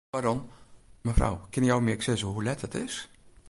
Pardon, mefrou, kinne jo my ek sizze hoe let it is?